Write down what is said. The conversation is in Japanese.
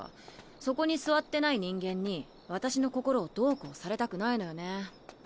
そこに座ってない人間に私の心をどうこうされたくないのよね。